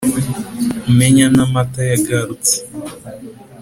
Umenya n’amata yagarutse.